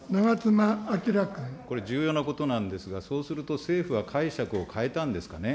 これ、重要なことなんですが、そうすると、政府は解釈を変えたんですかね。